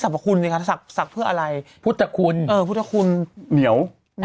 สรรพคุณเลยค่ะศักดิ์ศักดิ์เพื่ออะไรพุทธคุณเออพุทธคุณเหนียว